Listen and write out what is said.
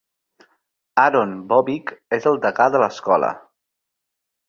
Aaron Bobick és el degà de l'escola.